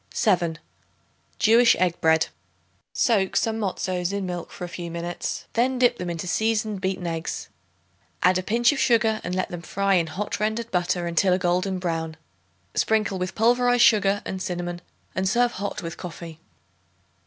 7. Jewish Egg Bread. Soak some matzoths in milk for a few minutes; then dip them into seasoned beaten eggs. Add a pinch of sugar and let them fry in hot rendered butter until a golden brown. Sprinkle with pulverized sugar and cinnamon and serve hot with coffee.